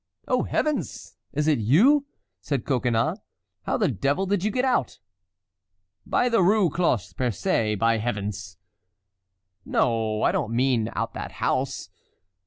"Oh, Heavens! is it you?" said Coconnas. "How the devil did you get out?" "By the Rue Cloche Percée, by Heavens!" "No, I do not mean that house."